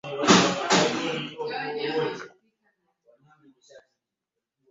Wanajeshi wa kitengo cha anga Marekani wamepelekwa Poland.